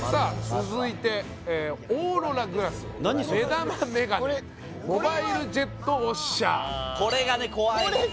続いてオーロラグラス目玉メガネモバイルジェットウォッシャーこれがね怖いんですよね